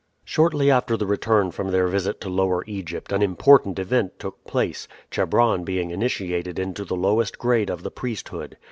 Shortly after the return from their visit to Lower Egypt an important event took place, Chebron being initiated into the lowest grade of the priesthood.